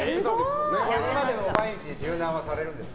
今でも毎日柔軟はされるんですか？